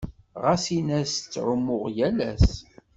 Ɣas in-as ttεummuɣ yal ass.